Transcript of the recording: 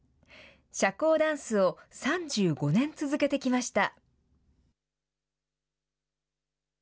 社交ダンスを３５年続けてきました。